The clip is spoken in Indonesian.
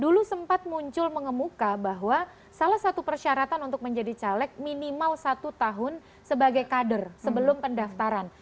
dulu sempat muncul mengemuka bahwa salah satu persyaratan untuk menjadi caleg minimal satu tahun sebagai kader sebelum pendaftaran